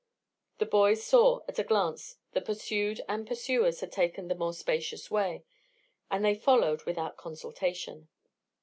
The boys saw at a glance that pursued and pursuers had taken the more spacious way, and they followed without consultation.